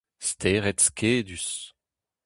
Stered skedus.